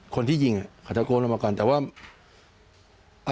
คนที่ยิงอ่ะเขาตะโกนออกมาก่อนแต่ว่า